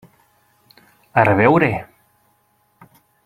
A reveure!